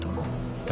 だ